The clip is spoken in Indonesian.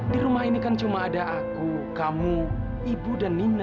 di rumah ini kan cuma ada aku kamu ibu dan nina